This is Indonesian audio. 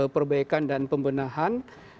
perbaikan dan pembenahan